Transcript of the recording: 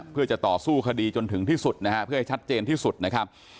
เพื่อจะต่อสู้คดีจนถึงที่สุดนะฮะเพื่อให้ชัดเจนที่สุดนะครับ